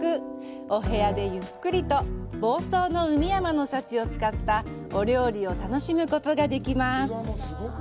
お部屋でゆっくりと房総の海山の幸を使ったお料理を楽しむことができます。